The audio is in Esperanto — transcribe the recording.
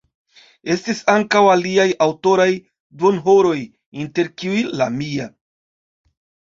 Estis ankaŭ aliaj aŭtoraj duonhoroj, inter kiuj la mia.